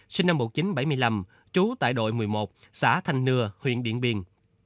sinh năm một nghìn chín trăm bảy mươi năm trú tại đội một mươi một xã thanh nừa huyện điện biên